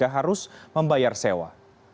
harus membayar sewa